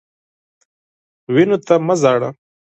وینو ته مه ژاړه.